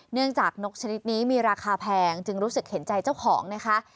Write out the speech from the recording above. เนื่องจากนกชนิดนี้มีราคาแพงจึงรู้สึกเห็นใจเจ้าของนะคะ